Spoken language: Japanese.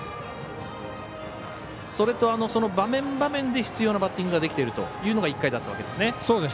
それと、場面場面で必要なバッティングができているというのが１回だったわけですね。